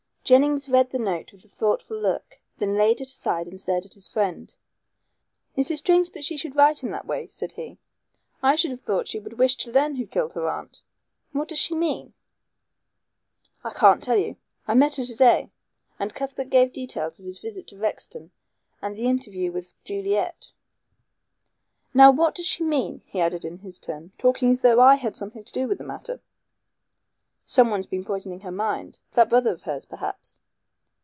Jennings read the note with a thoughtful look, then laid it aside and stared at his friend. "It is strange that she should write in that way," said he. "I should have thought she would wish to learn who killed her aunt. What does she mean?" "I can't tell you. I met her to day," and Cuthbert gave details of his visit to Rexton and the interview with Juliet. "Now what does she mean," he added in his turn, "talking as though I had something to do with the matter?" "Someone's been poisoning her mind. That brother of hers, perhaps."